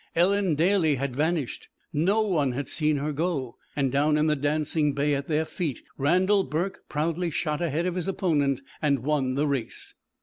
Ellen Daly had vanished. No one had seen her go. And down in the dancing bay at their feet Randal Burke proudly shot ahead of his opponent and won the race.